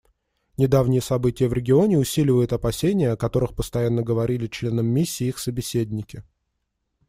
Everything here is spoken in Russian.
Недавние события в регионе усиливают опасения, о которых постоянно говорили членам миссии их собеседники.